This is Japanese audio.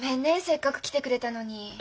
せっかく来てくれたのに。